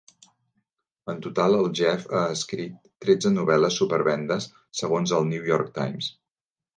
En total, el Jeff ha escrit tretze novel·les supervendes segons el "New York Times."